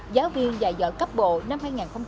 giáo viên dạy giỏi cấp bộ năm hai nghìn một mươi sáu